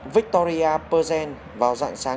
victoria perzen vào dạng sáng